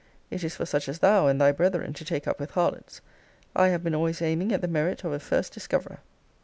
It is for such as thou, and thy brethren, to take up with harlots. I have been always aiming at the merit of a first discoverer.